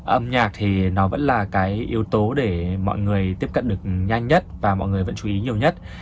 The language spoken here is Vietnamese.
âm nhạc thì nó vẫn là cái yếu tố để mọi người tiếp cận được nhanh nhất và mọi người vẫn chú ý nhiều nhất